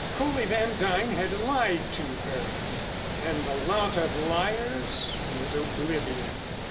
Coley Van Duyn had lied to her, and the lot of liars was oblivion.